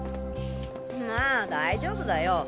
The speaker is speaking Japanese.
まぁ大丈夫だよ。